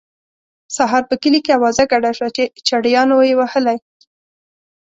سهار په کلي کې اوازه ګډه شوه چې چړیانو یې وهلی.